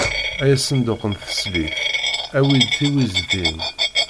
Ay asenduq n teslit, awi-d tiwiztin.